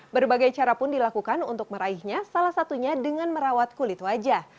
berbagai cara pun dilakukan untuk meraihnya salah satunya dengan merawat kulit wajah